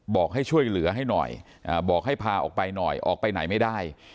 บอกให้ช่วยเหลือให้หน่อยบอกให้พาออกไปหน่อยออกไปไหนไม่ได้